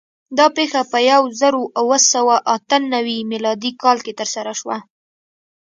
دا پېښه په یو زرو اوه سوه اته نوي م کال کې ترسره شوه.